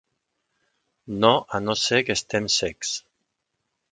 No a no ser que estem cecs.